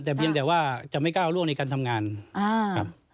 แต่เพียงแต่ว่าจะไม่ก้าวล่วงในการทำงานครับ